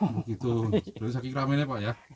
begitu berarti sakit rame nih pak ya